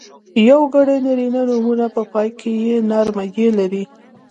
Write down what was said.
یوګړي نرينه نومونه په پای کې نرمه ی لري.